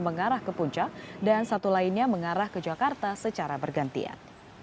mengarah ke puncak dan satu lainnya mengarah ke jakarta secara bergantian